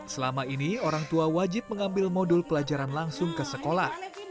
selama ini orang tua wajib mengambil modul pelajaran langsung ke sekolah